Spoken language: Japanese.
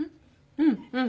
うんうん。